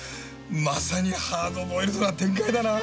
まさにハードボイルドな展開だなぁ！